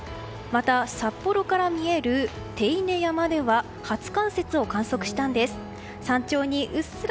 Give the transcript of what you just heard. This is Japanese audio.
また、札幌から見える手稲山では初冠雪を観測したんです。